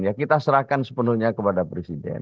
ya kita serahkan sepenuhnya kepada presiden